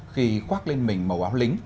khi khoác lên mình màu áo lính